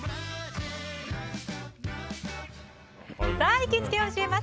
行きつけ教えます！